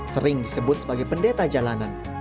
sering disebut sebagai pendeta jalanan